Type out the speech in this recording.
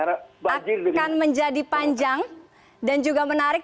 akan menjadi panjang dan juga menarik